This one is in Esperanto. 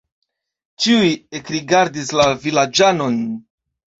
Ĉiuj ekrigardis la vilaĝanon.